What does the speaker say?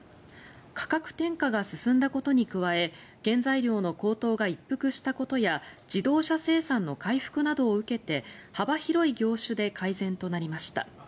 価格転嫁が進んだことに加え原材料の高騰が一服したことや自動車生産の回復などを受けて幅広い業種で改善となりました。